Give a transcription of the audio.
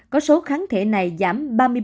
có số kháng thể này giảm ba mươi ba